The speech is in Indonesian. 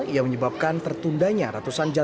yang kedua logisnya itu aja